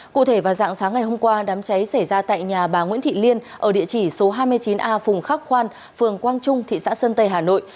cụ thể vào dạng sáng ngày hôm qua đám cháy xảy ra tại nhà bà nguyễn thị liên ở địa chỉ số hai mươi chín a phùng khắc khoan phường quang trung thị xã sơn tây hà nội